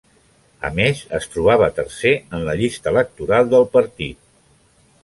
A més, es trobava tercer en la llista electoral del partit.